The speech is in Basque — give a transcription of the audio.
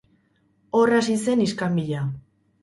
Hor hasi zen iskanbila.